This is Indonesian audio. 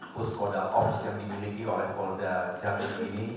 puskoda ops yang dimiliki oleh polda jambi ini